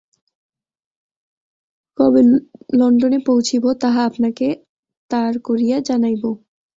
কবে লণ্ডনে পৌঁছিব, তাহা আপনাকে তার করিয়া জানাইব।